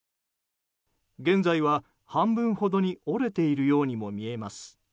現在は、半分ほどに折れているようにも見えます。